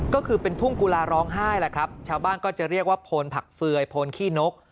ก็คือเป็นทุ่งกุลาร้องไห้แหละครับชาวบ้านก็จะเรียกว่าโพนผักเฟือยโพนขี้นก